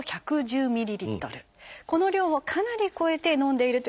この量をかなり超えて飲んでいるという方は。